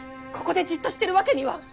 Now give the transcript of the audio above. ここでじっとしてるわけには。